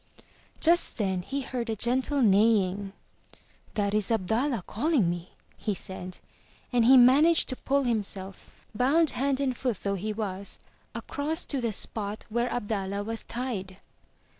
Just then he heard a gentle neighing. 'That is Abdallah calling me," he said, and he managed to pull himself, bound hand and foot though he was, across to the spot where Abdallah was tied.